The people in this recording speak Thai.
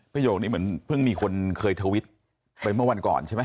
โยคนี้เหมือนเพิ่งมีคนเคยทวิตไปเมื่อวันก่อนใช่ไหม